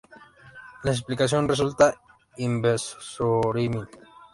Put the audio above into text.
La explicación resulta inverosímil.